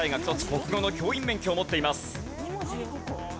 国語の教員免許を持っています。